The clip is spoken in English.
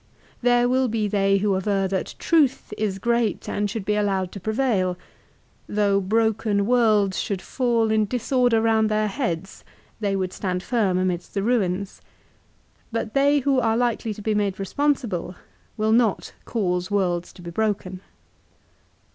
There will be they who aver that truth is great and should be allowed to prevail. Though broken worlds should fall in disorder round their heads, they would stand firm amidst the ruins. But they who are likely to be made responsible will not cause worlds to be broken.